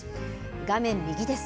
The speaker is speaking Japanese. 画面右です。